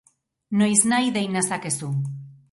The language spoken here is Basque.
Noiznahi dei nazakezu.